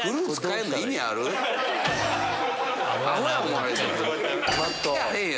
ええよ